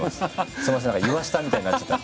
すいません何か言わせたみたいになっちゃった。